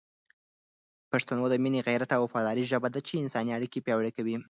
پښتو د مینې، غیرت او وفادارۍ ژبه ده چي انساني اړیکي پیاوړې کوي.